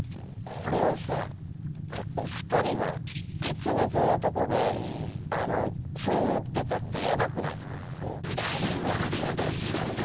これをさお２人が別々のとこでそう思ってたってやばくないすか？